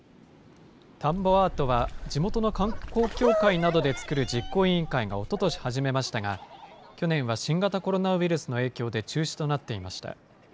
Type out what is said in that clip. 田んぼアートは、地元の観光協会などで作る実行委員会が、おととし始めましたが、去年は新型コロナウイルスの影響で中止となっていました。